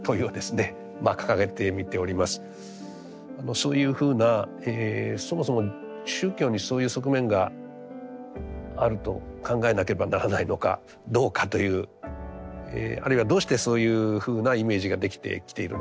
そういうふうなそもそも宗教にそういう側面があると考えなければならないのかどうかというあるいはどうしてそういうふうなイメージができてきているのかというふうな